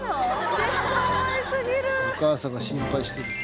お母さんが心配してる。